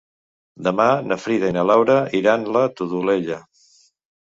Demà na Frida i na Laura iran a la Todolella.